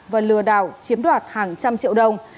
và lừa đảo chiếm đoạt hàng trăm triệu đồng